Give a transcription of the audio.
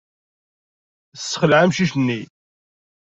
Tessexleɛ amcic-nni.